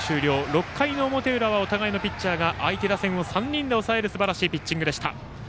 ６回の表裏はお互いのピッチャーが相手打線を３人で抑えるすばらしいピッチングでした。